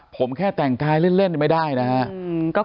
ผมแค่แต่งกายเล่นไม่ได้นะครับ